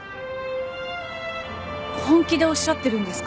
本気でおっしゃってるんですか？